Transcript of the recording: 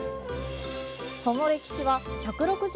その歴史は１６０